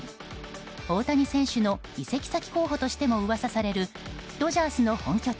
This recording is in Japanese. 大谷選手の移籍先候補としても噂されるドジャースの本拠地